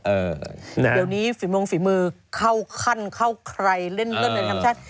เดี๋ยวนี้ฝีมือเข้าขั้นเข้าใครเกินเรื่องทำชาติ